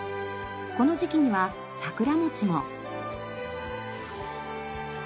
この時期には桜餅も。